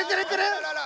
あららら！